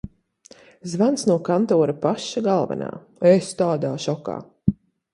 Zvans no kantora paša galvenā. Es tādā šokā.